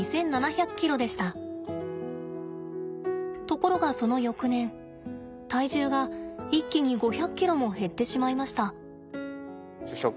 ところがその翌年体重が一気に５００ｋｇも減ってしまいました。